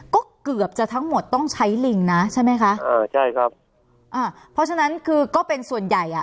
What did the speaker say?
ก็เกือบจะทั้งหมดต้องใช้ลิงนะใช่ไหมคะอ่าใช่ครับอ่าเพราะฉะนั้นคือก็เป็นส่วนใหญ่อ่ะ